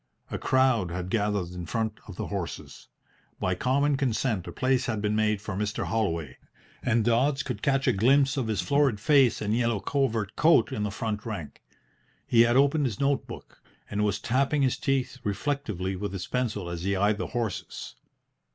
A crowd had gathered in front of the horses. By common consent a place had been made for Mr. Holloway, and Dodds could catch a glimpse of his florid face and yellow covert coat in the front rank. He had opened his note book, and was tapping his teeth reflectively with his pencil as he eyed the horses.